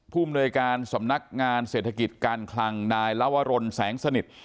มนวยการสำนักงานเศรษฐกิจการคลังนายลวรนแสงสนิท